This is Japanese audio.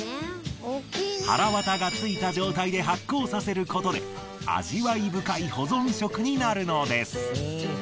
はらわたがついた状態で発酵させることで味わい深い保存食になるのです。